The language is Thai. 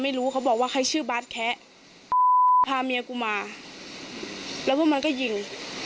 มาค่ะเมื่อคืนเขาเป็นคนยิง